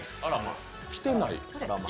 来てない？